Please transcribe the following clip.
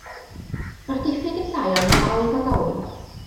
Mae'r diffyg yn llai ond yn dal i fodoli.